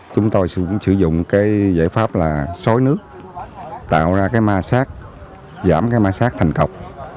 chúng tôi sẽ sử dụng giải pháp xoáy nước tạo ra ma sát giảm ma sát thành cọp